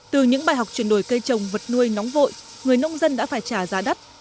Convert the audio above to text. từ những bài học chuyển đổi cây trồng vật nuôi nóng vội người nông dân đã phải trả giá đắt